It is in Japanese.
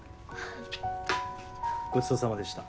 ごちそうさまでした。